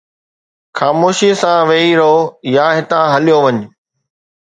خاموشي سان ويھي رھو يا ھتان ھليو وڃ